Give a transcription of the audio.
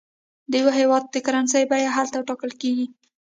د یو هېواد د کرنسۍ بیه هلته ټاکل کېږي.